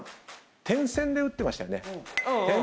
点線で打ってましたね。